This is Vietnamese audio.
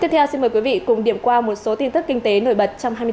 tiếp theo xin mời quý vị cùng điểm qua một số tin tức kinh tế nổi bật trong hai mươi bốn h